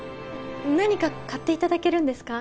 何か買って頂けるんですか？